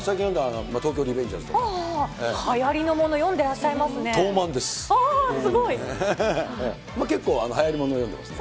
はやりのもの読んでらっしゃとーまんです。